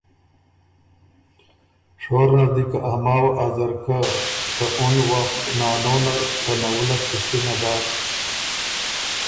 شور نر دی که ا ماوه ا ځرکۀ ته اُن وخت نانو نر ته نوُلّک پِشتِنه داک،